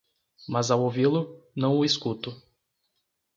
mas ao ouvi-lo, não o escuto